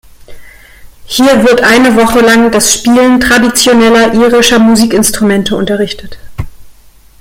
Hier wird eine Woche lang das Spielen traditioneller irischer Musikinstrumente unterrichtet.